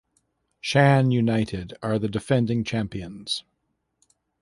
Shan United are the defending champions.